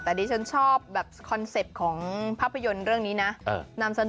แต่อันนี้ชนชอบแบบคอนเซตของภาพยนตร์เรื่องนี้นะ